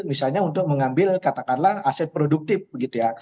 misalnya untuk mengambil katakanlah aset produktif begitu ya